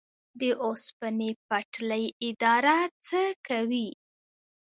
د اوسپنې پټلۍ اداره څه کوي؟